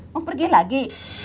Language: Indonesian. mau pergi lagi